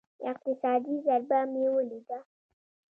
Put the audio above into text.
اقتصادي ضربه مې وليده.